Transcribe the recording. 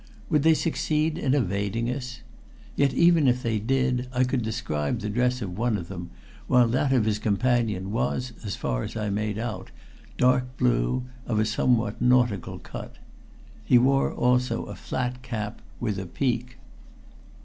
Would they succeed in evading us? Yet even if they did, I could describe the dress of one of them, while that of his companion was, as far as I made out, dark blue, of a somewhat nautical cut. He wore also a flat cap, with a peak.